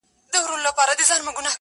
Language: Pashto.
نور مي له سترگو څه خوبونه مړه سول.